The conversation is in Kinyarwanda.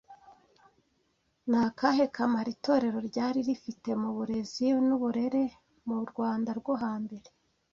Ni akahe kamaro itorero ryari rifite mu burezi n’uburere mu Rwanda rwo hambere